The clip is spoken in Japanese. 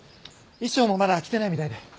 衣装もまだ着てないみたいで。